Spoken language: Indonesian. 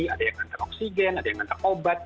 ada yang ngantar oksigen ada yang ngantar obat